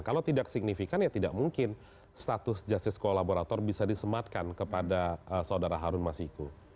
kalau tidak signifikan ya tidak mungkin status justice kolaborator bisa disematkan kepada saudara harun masiku